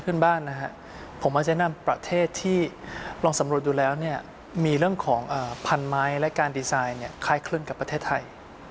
จะแนะนำประเทศที่เราลองสำรวจดูแล้วจะมีเรื่องของพันธุ์ไม้และการดีไซน์คล้ายกับประเทศไทย